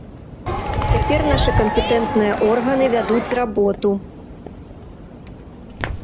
Цяпер нашы кампетэнтныя органы вядуць работу.